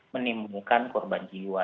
menimbulkan korban jiwa